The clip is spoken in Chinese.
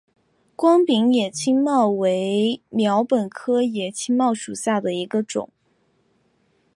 光柄野青茅为禾本科野青茅属下的一个种。